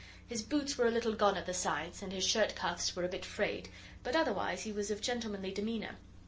His boots were a little gone at the sides, and his shirt cuffs were a bit frayed, but otherwise he was of gentlemanly demeanour.